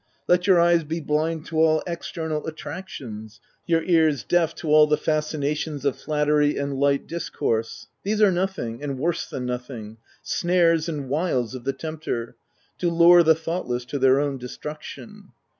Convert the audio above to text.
Let your eyes be blind to all external attractions, your ears deaf to all the fascinations of flattery and light discourse. — These are nothing — and worse than nothing — snares and wiles of the tempter, to lure the thoughtless to their own destruction.